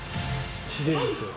自然ですよ。